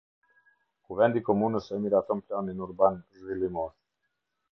Kuvendi i komunës e miraton planin urban zhvillimor.